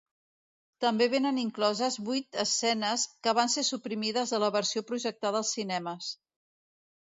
També vénen incloses vuit escenes que van ser suprimides de la versió projectada als cinemes.